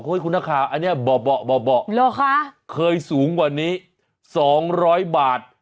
เฮ้ยคุณนะคะอันนี้บ่ะคือราคาเคยสูงกว่านี้๒๐๐บาท